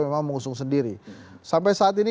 memang mengusung sendiri sampai saat ini